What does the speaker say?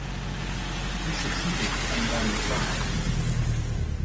He succeeded, and won the prize.